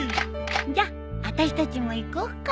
じゃあたしたちも行こうか。